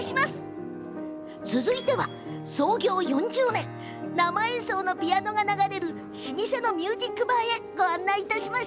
続いては、創業４０年生演奏のピアノが流れる老舗のミュージックバーへ。